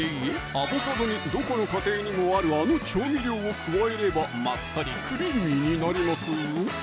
アボカドにどこの家庭にもあるあの調味料を加えればまったりクリーミーになりますぞ！